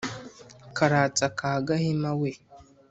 karatsa ka gahima we